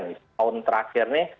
tahun terakhir ini